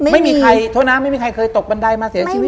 ไม่มีใครโทษนะไม่มีใครเคยตกบันไดมาเสียชีวิต